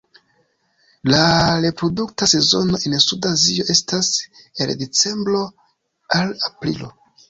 La reprodukta sezono en Suda Azio estas el decembro al aprilo.